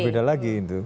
berbeda lagi itu